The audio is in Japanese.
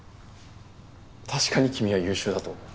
確かに君は優秀だと思う。